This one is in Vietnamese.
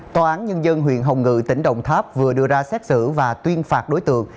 tòa án nhân dân huyện hồng ngự tỉnh đồng tháp vừa đưa ra xét xử và tuyên phạt đối tượng